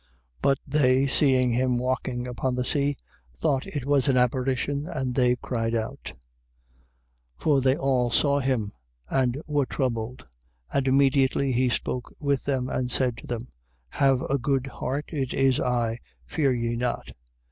6:49. But they seeing him walking upon the sea, thought it was an apparition, and they cried out. 6:50. For they all saw him, and were troubled bled. And immediately he spoke with them, and said to them: Have a good heart, it is I, fear ye not.